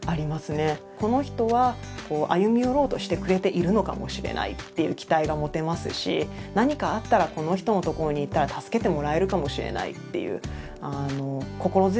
この人は歩み寄ろうとしてくれているのかもしれないっていう期待が持てますし何かあったらこの人のところに行ったら助けてもらえるかもしれないっていう心強さがあります。